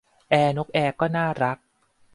แอร์นกแอร์ก็น่ารัก